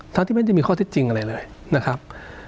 ทั้งที่ไม่ได้มีข้อเท็จจริงอะไรเลยนะครับ